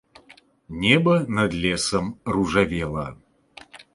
Неба над лесам ружавела.